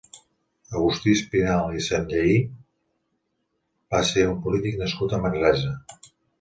Agustí Espinalt i Sanllehí va ser un polític nascut a Manresa.